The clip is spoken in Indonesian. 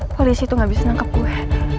polisi itu gak bisa nangkep gue